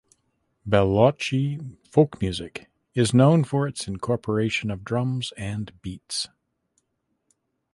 Balochi folk music is known for its incorporation of drums and beats.